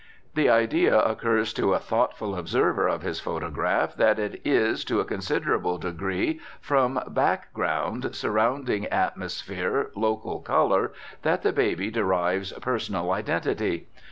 The idea occurs to a thoughtful observer of his photograph that it is to a considerable degree from background, surrounding atmosphere, local colour, that the baby derives personal identity.